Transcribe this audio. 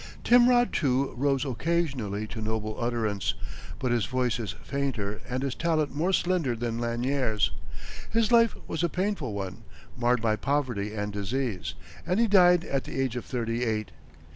Timrod, too, rose occasionally to noble utterance, but his voice is fainter and his talent more slender than Lanier's. His life was a painful one, marred by poverty and disease, and he died at the age of thirty eight.